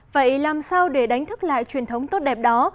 vậy làm sao để đánh thức lại truyền thống tốt đẹp đó